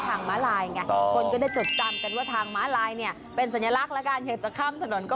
อันนี้เขาแถวที่เขาถือว่าผสมประสานกันนะ